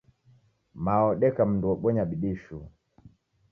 Mao odeka mundu obonya bidii shuu.